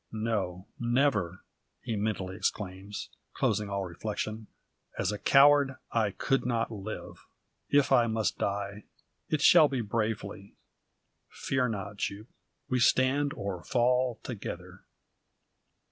"No never!" he mentally exclaims, closing all reflection. "As a coward I could not live. If I must die, it shall be bravely. Fear not, Jupe! We stand or fall together!"